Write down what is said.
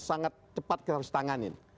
sangat cepat kita harus tanganin